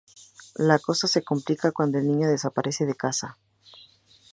La cosa se complica cuando el niño desaparece de casa.